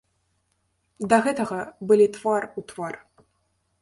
Да гэтага былі твар у твар.